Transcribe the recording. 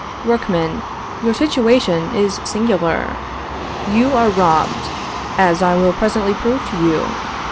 Workmen, your situation is singular! you are robbed, as I will presently prove to you....